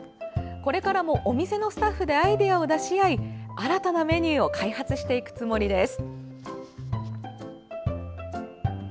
これからも、お店のスタッフでアイデアを出し合い新たなメニューを開発していくつもりです。